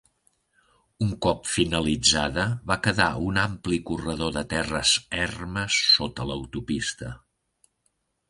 Un cop finalitzada, va quedar un ampli corredor de terres ermes sota l'autopista.